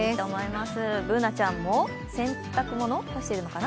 Ｂｏｏｎａちゃんも洗濯物、干すのかな？